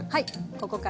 ここから。